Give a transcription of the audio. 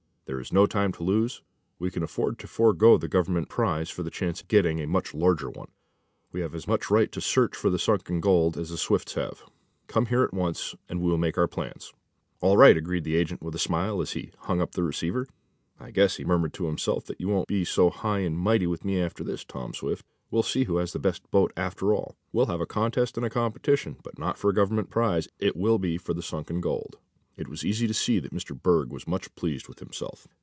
There is no time to lose. We can afford to forego the Government prize for the chance of getting a much larger one. We have as much right to search for the sunken gold as the Swifts have. Come here at once, and we will make our plans." "All right," agreed the agent with a smile as he hung up the receiver. "I guess," he murmured to himself, "that you won't be so high and mighty with me after this, Tom Swift. We'll see who has the best boat, after all. We'll have a contest and a competition, but not for a government prize. It will be for the sunken gold." It was easy to see that Mr. Berg was much pleased with himself.